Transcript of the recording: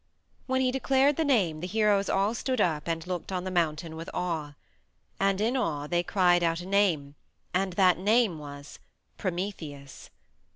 When he declared the name the heroes all stood up and looked on the mountain with awe. And in awe they cried out a name, and that name was "Prometheus!"